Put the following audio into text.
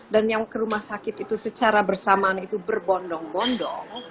dan yang ke rumah sakit itu secara bersamaan itu berbondong bondong